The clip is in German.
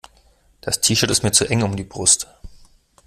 Das T-Shirt ist mir zu eng um die Brust.